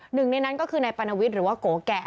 หนึ่งในนั้นก็คือนายปรณวิทย์หรือว่าโกแก่